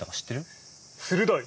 鋭い！